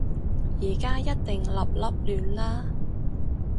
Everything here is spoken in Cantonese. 而家一定立立亂啦